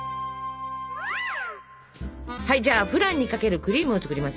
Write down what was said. じゃあフランにかけるクリームを作りますよ。